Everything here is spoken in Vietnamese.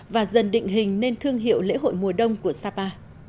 và dần định hình nên thương hiệu lễ hội mùa đông của sapa